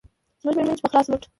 زموږ مېرمنې چې په خلاص مټ